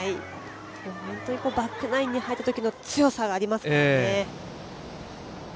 本当にバックナインに入ったときの強さがありますからね。